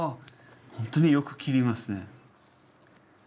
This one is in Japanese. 本当によく切れますね。